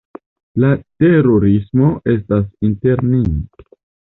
La terorismo estas inter ni.